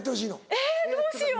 えっどうしよう。